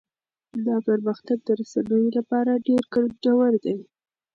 دا پرمختګ د رسنيو لپاره ډېر ګټور دی.